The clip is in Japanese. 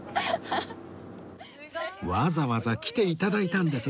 わざわざ来て頂いたんですね